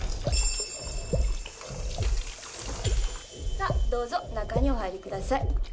さあどうぞ中にお入りください。